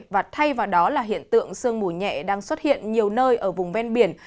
và thay vào đó là hiện tượng sương mù nhẹ đang xuất hiện nhiều nơi ở vùng ven biển